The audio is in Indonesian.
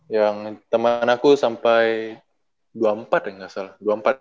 yang temen aku sampai dua puluh empat ya gak salah dua puluh empat